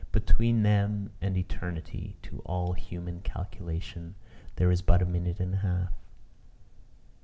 Between them and eternity, to all human calculation, there is but a minute and a half.